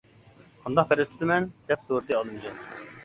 -: قانداق پەرھىز تۇتىمەن؟ دەپ سورىدى ئالىمجان.